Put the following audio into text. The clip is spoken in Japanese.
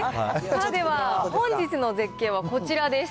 では本日の絶景はこちらです。